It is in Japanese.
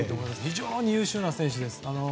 非常に優秀な選手です。